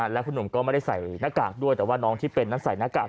แล้วคุณหนุ่มก็ไม่ได้ใส่หน้ากากด้วยแต่ว่าน้องที่เป็นนั้นใส่หน้ากาก